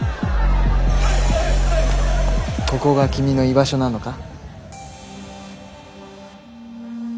ここが君の居場所なのか？